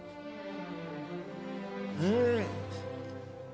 うん。